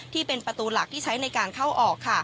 ที่เป็นประตูหลักที่ใช้ในการเข้าออก